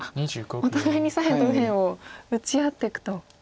お互いに左辺と右辺を打ち合っていくと。